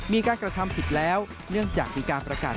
มีการกระทำผิดแล้วเนื่องจากมีการประกาศ